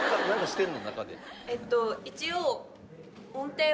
えっと一応。